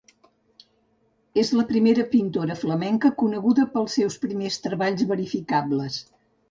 És la primera pintora flamenca coneguda pels seus primers treballs verificables.